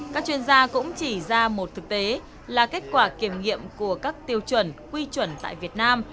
các chuyên gia cũng chỉ ra một thực tế là kết quả kiểm nghiệm của các tiêu chuẩn quy chuẩn tại việt nam